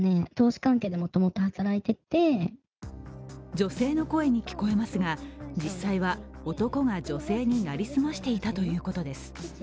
女性の声に聞こえますが、実際は男が女性になりすましていたということです